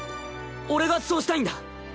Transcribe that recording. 俺がそうしたいんだ。